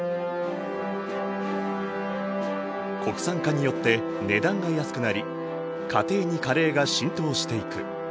国産化によって値段が安くなり家庭にカレーが浸透していく。